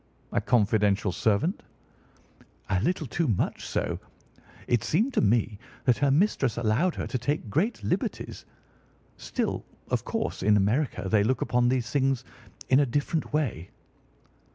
"A confidential servant?" "A little too much so. It seemed to me that her mistress allowed her to take great liberties. Still, of course, in America they look upon these things in a different way."